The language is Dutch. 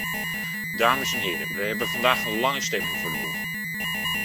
Dames en heren, we hebben vandaag een lange stemming voor de boeg.